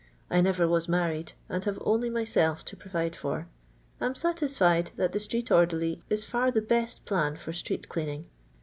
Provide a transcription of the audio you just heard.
I never was married, and have only myself to provide for. I'm satisfied that the street orderly is for the hett plan for street>clean> ing.